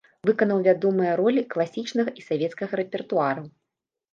Выканаў вядомыя ролі класічнага і савецкага рэпертуару.